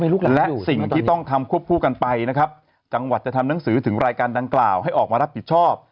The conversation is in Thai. และสิ่งที่ต้องทำควบคู่กันไปนะครับจังหวัดจะทำหนังสือถึงรายการดังกล่าวให้ออกมารับผิดชอบ